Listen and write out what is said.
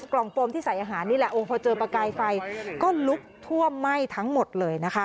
กล่องโฟมที่ใส่อาหารนี่แหละโอ้พอเจอประกายไฟก็ลุกท่วมไหม้ทั้งหมดเลยนะคะ